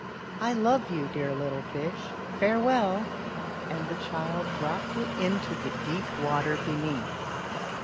I love you, dear little fish farewell !" and the child dropped it into the deep water beneath.